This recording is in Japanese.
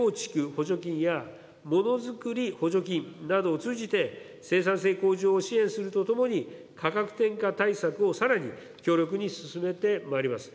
補助金やものづくり補助金などを通じて、生産性向上を支援するとともに、価格転嫁対策をさらに強力に進めてまいります。